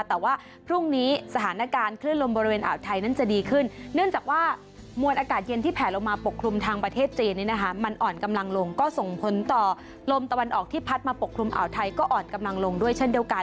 แต่ว่าพรุ่งนี้สถานการณ์คลื่นลมบริเวณอ่าวไทยนั้นจะดีขึ้นเนื่องจากว่ามวลอากาศเย็นที่แผลลงมาปกคลุมทางประเทศจีนนี้นะคะมันอ่อนกำลังลงก็ส่งผลต่อลมตะวันออกที่พัดมาปกคลุมอ่าวไทยก็อ่อนกำลังลงด้วยเช่นเดียวกัน